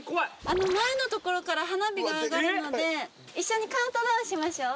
あの前の所から花火が上がるので一緒にカウントダウンしましょう。